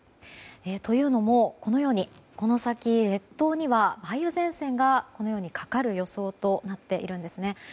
というのも、この先列島には梅雨前線がかかる予想となっているんですね。